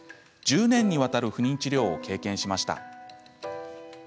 １０年にわたる不妊治療を経験しました。